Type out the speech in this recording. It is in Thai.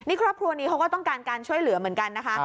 นี่ครอบครัวนี้เขาก็ต้องการการช่วยเหลือเหมือนกันนะคะ